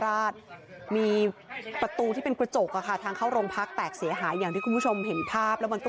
ราชมีประตูที่เป็นกระจกขาดดังเข้าโรงพักแตกเสียหายอย่างที่ผู้ชมมาแล้วมันก็